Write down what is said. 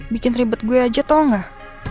bikin ribet gue aja tau gak